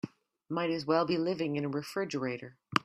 Might as well be living in a refrigerator.